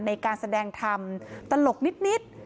ในการแสดงธรรมตลกนิด